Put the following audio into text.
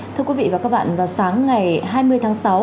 thưa quý vị và các bạn vào sáng ngày hai mươi tháng sáu